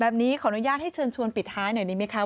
แบบนี้ขออนุญาตให้เชิญชวนปิดท้ายหน่อยดีไหมคะ